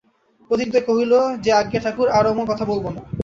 পথিকদ্বয় কহিল, যে আজ্ঞে ঠাকুর, আর অমন কথা বলব না।